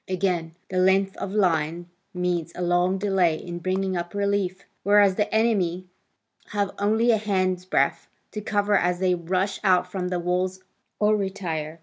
Again, the length of line means a long delay in bringing up relief, whereas the enemy have only a handsbreadth to cover as they rush out from the walls or retire.